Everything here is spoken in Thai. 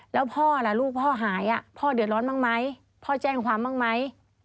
แล้วพ่อล่ะลูกพ่อหายพ่อเดือดร้อนบ้างไหมพ่อแจ้งความบ้างไหม